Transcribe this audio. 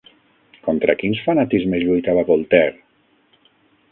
Contra quins fanatismes lluitava Voltaire?